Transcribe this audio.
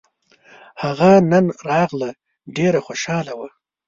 هغه نن راغله ډېره خوشحاله وه